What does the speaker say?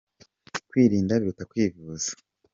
kwirinda biruta kwivuza